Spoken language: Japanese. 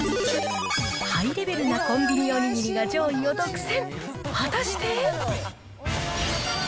ハイレベルのコンビニお握りが上位を独占。